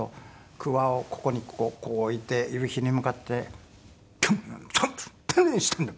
くわをここにこう置いて夕日に向かって「タンッタンッ何してんだ。